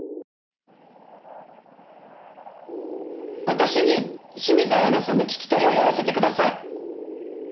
私に清水彩菜さんの聞き取りをやらせてください。